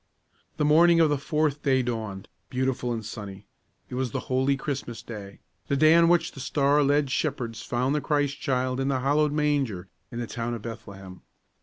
The morning of the fourth day dawned, beautiful and sunny. It was the holy Christmas Day; the day on which the star led shepherds found the Christ child in the hallowed manger in the town of Bethlehem.